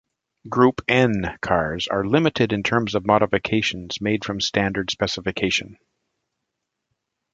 Group N cars are limited in terms of modifications made from standard specification.